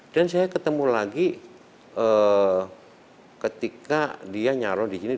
dan saya ketemu lagi ketika dia nyaro di sini dua ribu dua belas